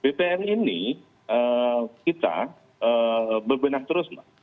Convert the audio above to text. bpn ini kita berbenak terus pak